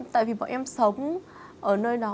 tại vì bọn em sống ở nơi đó